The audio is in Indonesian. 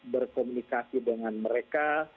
berkomunikasi dengan mereka